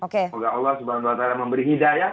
semoga allah s w t memberi hidayah